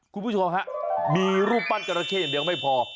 คุณผู้ชมฮะมีรูปปั้นจราเข้อย่างเดียวไม่พอ